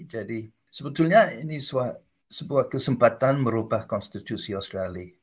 jadi sebetulnya ini sebuah kesempatan merubah konstitusi australia